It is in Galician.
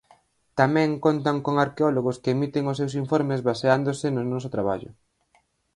Tamén contan con arqueólogos que emiten os seus informes baseándose no noso traballo.